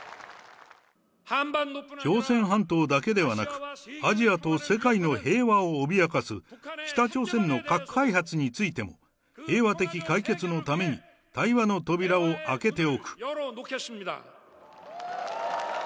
朝鮮半島だけではなく、アジアと世界の平和を脅かす、北朝鮮の核開発についても、平和的解決のために対話の扉を開けておく。